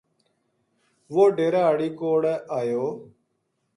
وہ ڈیرا ہاڑی کوڑ ایو